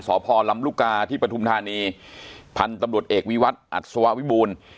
สพรรรรุกาที่ประทุมฐานีพันธุ์ตำรวจเอกวิวัตรอัตษววะวิบูล